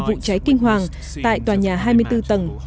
vụ cháy kinh hoàng tại tòa nhà hai mươi bốn tầng